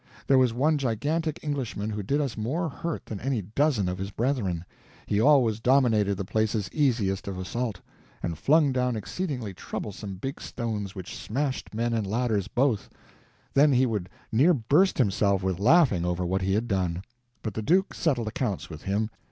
There was one gigantic Englishman who did us more hurt than any dozen of his brethren. He always dominated the places easiest of assault, and flung down exceedingly troublesome big stones which smashed men and ladders both—then he would near burst himself with laughing over what he had done. But the duke settled accounts with him.